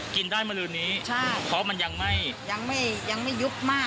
กินได้มาลืนนี้ใช่เพราะมันยังไม่ยังไม่ยุบมาก